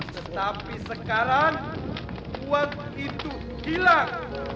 tetapi sekarang uang itu hilang